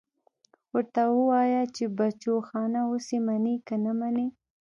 ورته ووايه چې بچوخانه اوس يې منې که نه منې.